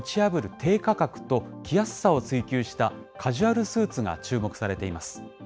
低価格と、着やすさを追求したカジュアルスーツが注目されています。